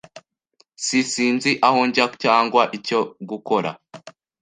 S Sinzi aho njya cyangwa icyo gukora.